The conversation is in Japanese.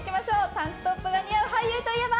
タンクトップが似合う俳優といえば？